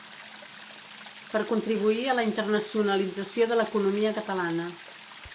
Per contribuir a la internacionalització de l’economia catalana.